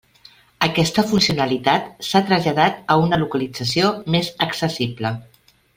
Aquesta funcionalitat s'ha traslladat a una localització més accessible.